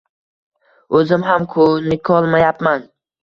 O`zim ham ko`nikolmayapman